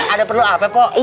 ada perlu apa po